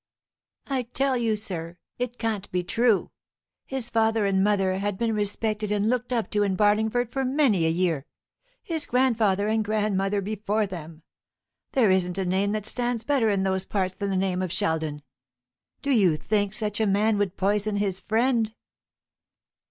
I tell you, sir, it can't be true! His father and mother had been respected and looked up to in Barlingford for many a year, his grandfather and grandmother before them. There isn't a name that stands better in those parts than the name of Sheldon. Do you think such a man would poison his friend?"